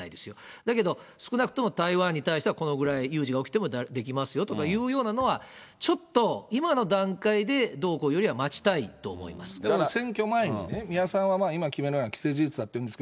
だけど、少なくとも台湾に対してはこのぐらい有事が起きてもできますよとかいうのは、ちょっと、今の段階でどうこうよりは待ちたいと思い選挙前にね、三輪さんは今決めるのは既成事実だっていうんですが、